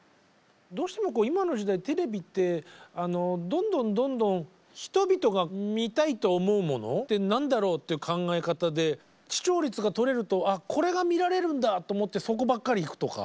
どうしても今の時代テレビってどんどんどんどん人々が見たいと思うものって何だろうっていう考え方で視聴率が取れると「あっこれが見られるんだ」と思ってそこばっかりいくとか。